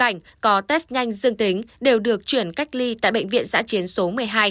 các bệnh nhân có test nhanh dương tính đều được chuyển cách ly tại bệnh viện giã chiến số một mươi hai